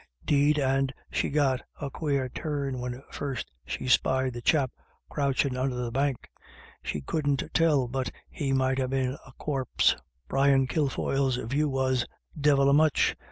'Deed and she got a quare turn when first she spied the chap croochin' under the bank — she couldn't tell but he might ha* been a corp." Brian Kilfoyle's view was: "Divil a much!